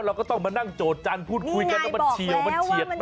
เราก็ต้องมานั่งโจทย์จันทร์พูดคุยกันว่ามันเฉียวมันเฉียด